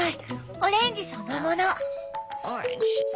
オレンジそのもの！